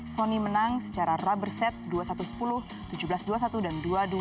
sony menang secara rubber set dua puluh satu sepuluh tujuh belas dua puluh satu dan dua puluh dua